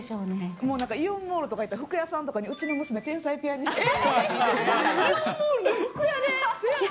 もうなんか、イオンモールとか行ったら、服屋さんとかに、うちの娘、天才ピアニストっていう芸人でねって。